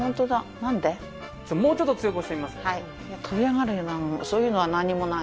もうちょっと強く押してみますね。